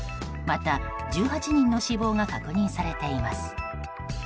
また、１８人の死亡が確認されています。